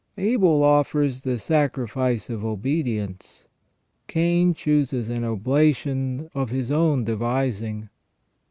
Abel offers the sacrifice of obedience ; Cain chooses an oblation of his own devising.